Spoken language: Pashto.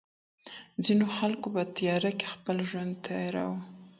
ځينو خلګو په تېاره کي خپل ژوند تېراوه.